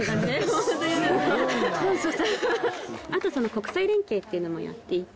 国際連携っていうのもやっていて。